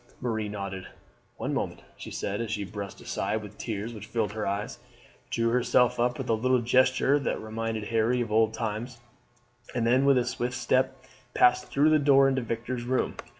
Marie nodded. "One moment," she said, as she brushed aside the tears which filled her eyes, drew herself up with a little gesture that reminded Harry of old times, and then with a swift step passed through the door into Victor's room.